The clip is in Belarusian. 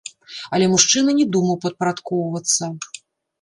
Але мужчына не думаў падпарадкоўвацца.